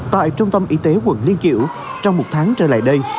tại trung tâm y tế quận liên kiểu trong một tháng trở lại đây